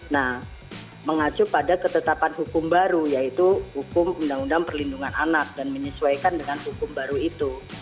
nah mengacu pada ketetapan hukum baru yaitu hukum undang undang perlindungan anak dan menyesuaikan dengan hukum baru itu